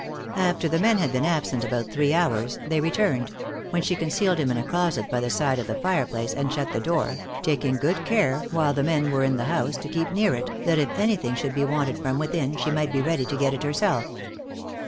After the men had been absent about three hours, they returned; when she concealed him in a closet by the side of the fireplace, and shut the door, taking good care while the men were in the house, to keep near it, that if any thing should be wanted from within, she might be ready to get it herself.